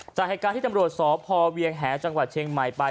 จากในแห่งการที่ตำรวจสอบพอเวียงแหนะจังหวัดเชียงใหม่ไป